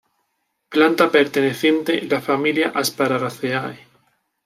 Planta perteneciente la familia Asparagaceae.